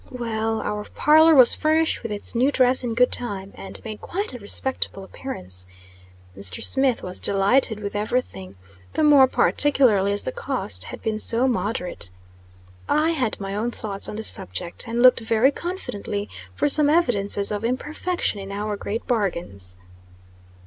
Well, our parlor was furnished with its new dress in good time, and made quite a respectable appearance. Mr. Smith was delighted with everything; the more particularly as the cost had been so moderate. I had my own thoughts on the subject; and looked very confidently for some evidences of imperfection in our great bargains.